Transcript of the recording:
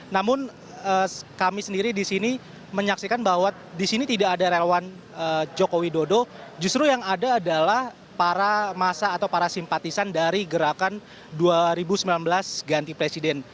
namun kami sendiri di sini menyaksikan bahwa di sini tidak ada relawan jokowi dodo justru yang ada adalah para masa atau para simpatisan dari gerakan dua ribu sembilan belas ganti presiden